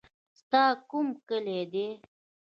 ستا کوم کلی دی.